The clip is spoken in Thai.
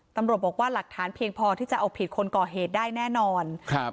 ตำรวจบอกว่าหลักฐานเพียงพอที่จะเอาผิดคนก่อเหตุได้แน่นอนครับ